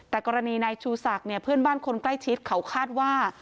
แต่กรณีนายชูศักดิ์เนี่ยเพื่อนบ้านคนใกล้ชิดเขาคาดว่า